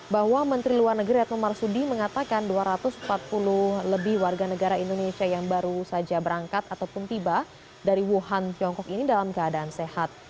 bahwa menteri luar negeri retno marsudi mengatakan dua ratus empat puluh lebih warga negara indonesia yang baru saja berangkat ataupun tiba dari wuhan tiongkok ini dalam keadaan sehat